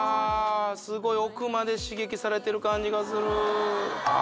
すごい奥まで刺激されてる感じがするあ